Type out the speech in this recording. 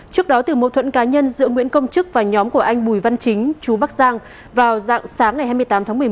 trước đó từ mâu thuẫn cá nhân giữa nguyễn công chức và nhóm của anh bùi văn chính chú bắc giang vào dạng sáng ngày hai mươi tám tháng một mươi một